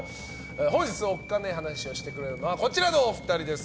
本日、おっカネ話をしてくださるのはこちらのお二人です。